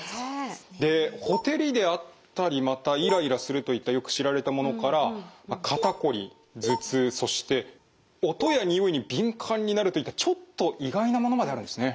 でほてりであったりまたイライラするといったよく知られたものから肩こり頭痛そして音やにおいに敏感になるといったちょっと意外なものまであるんですね。